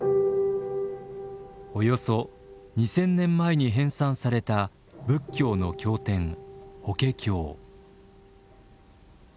およそ２，０００年前に編纂された仏教の経典「法華経」。